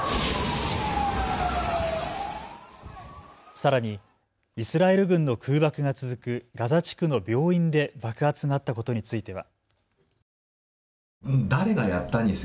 さらにイスラエル軍の空爆が続くガザ地区の病院で爆発があったことについては。